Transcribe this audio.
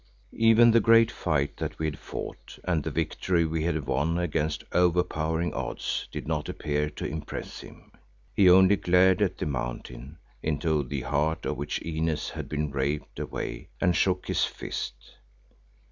Even the great fight that we had fought and the victory we had won against overpowering odds did not appear to impress him. He only glared at the mountain into the heart of which Inez had been raped away, and shook his fist.